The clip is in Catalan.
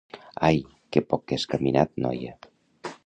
Ai, que poc que has caminat, noia!